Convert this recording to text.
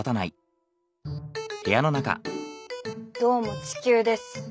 どうも地球です。